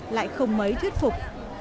lại không mấy thuyết phục